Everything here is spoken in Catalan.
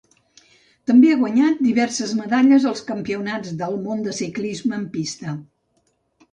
També ha guanyat diverses medalles als Campionats del Món de Ciclisme en pista.